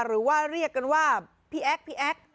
หรือว่าเรียกกันว่าพี่แอ๊กพี่แอ๊ก